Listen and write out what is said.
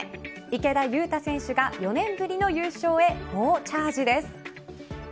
池田勇太選手が４年ぶりの優勝へ猛チャージです。